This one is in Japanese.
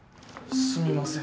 すみません。